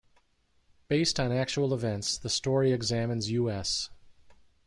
Based on actual events, the story examines U,S.